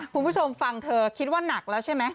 คุณผู้ชมฟังเธอคิดว่าหนักแล้วใช่ไหม